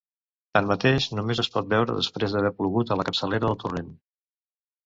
Tanmateix, només es pot veure després d'haver plogut a la capçalera del torrent.